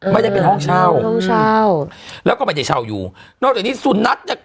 ไม่ได้เป็นห้องเช่าห้องเช่าแล้วก็ไม่ได้เช่าอยู่นอกจากนี้สุนัขเนี่ย